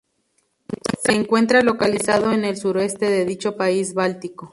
Se encuentra localizado en el suroeste de dicho país báltico.